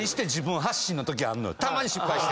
たまに失敗して。